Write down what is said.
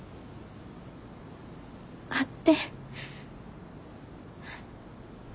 会って。